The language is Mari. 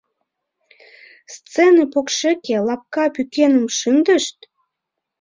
Сцене покшеке лапка пӱкеным шындышт.